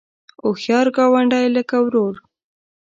هوښیار ګاونډی لکه ورور